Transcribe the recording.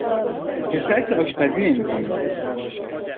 پسر که آشپزی نمیکنه